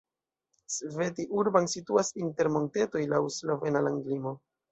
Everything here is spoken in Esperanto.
Sveti Urban situas inter montetoj laŭ la slovena landlimo.